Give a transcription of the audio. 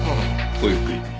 ごゆっくり。